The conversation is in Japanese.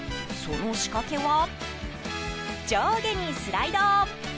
その仕掛けは上下にスライド。